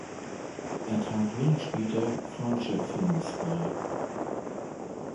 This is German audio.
Er trat wenig später Frontier Films bei.